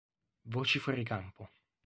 Voci fuori campo